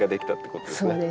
そうですね。